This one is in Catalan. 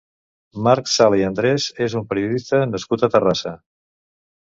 Marc Sala i Andrés és un periodista nascut a Terrassa.